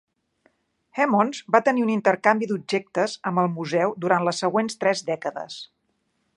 Emmons va tenir un intercanvi d'objectes amb el Museu durant les següents tres dècades.